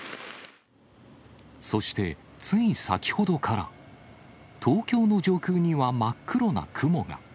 そして、つい先ほどから、東京の上空には真っ黒な雲が。